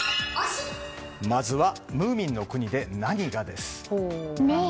まずはムーミンの国で何が？です。